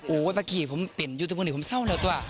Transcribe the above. โอ้ตะกี้ผมเป็นยูทูปผู้หญิงผมเศร้าเหลวตัว